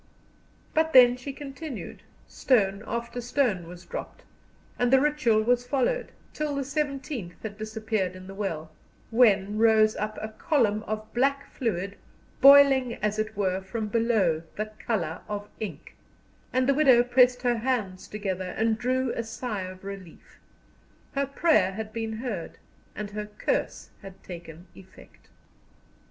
But then she continued, stone after stone was dropped, and the ritual was followed, till the seventeenth had disappeared in the well, when up rose a column of black fluid boiling as it were from below, the colour of ink; and the widow pressed her hands together, and drew a sigh of relief; her prayer had been heard, and her curse had taken effect.